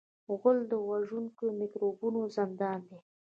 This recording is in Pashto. غول د وژونکو میکروبونو زندان دی.